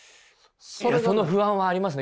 その不安はありますね。